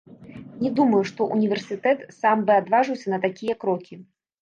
Не думаю, што ўніверсітэт сам бы адважыўся на такія крокі.